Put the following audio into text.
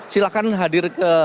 silahkan hadir ke